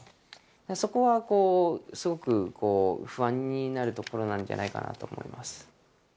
そこはこう、すごく不安になるところなんじゃないかなと思います。